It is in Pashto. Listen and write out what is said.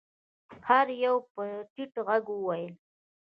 هر يوه به په ټيټ غږ ويل.